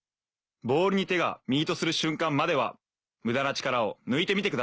ボールに手がミートする瞬間までは無駄な力を抜いてみてください。